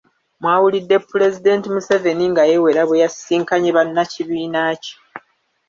Mwawulidde Pulezidenti Museveni nga yeewera bwe yasisinkanye bannakibiina kye